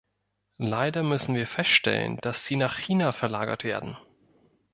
Leider müssen wir feststellen, dass sie nach China verlagert werden.